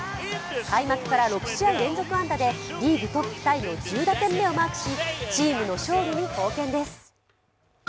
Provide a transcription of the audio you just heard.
開幕から６試合連続安打でリーグトップタイの１０打点目をマークしチームの勝利に貢献です。